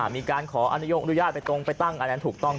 มีการขออนุญาตอนุญาตไปตรงไปตั้งอันนั้นถูกต้อง